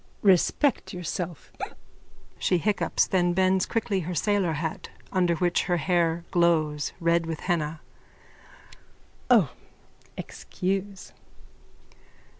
_ Respect yourself. (She hiccups, then bends quickly her sailor hat under which her hair glows, red with henna.) O, excuse!